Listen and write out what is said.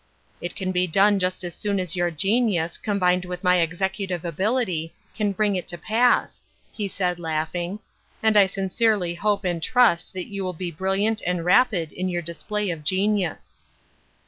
" It can be done just as soon as your genius, combined with my executive ability, can bring it to pass," he answered, laughing, " and I sin cerely hope and trust that you will be brilliant and rapid in your display of genius."